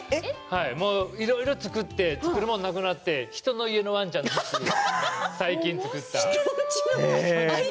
いろいろ作って作るものなくなって人の家のワンちゃんのを最近作った。